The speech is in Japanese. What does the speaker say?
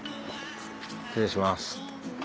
失礼します。